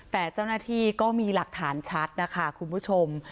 แต่เจ้าหน้าที่ก็มีหลักฐานชัดนะคะคุณผู้ชม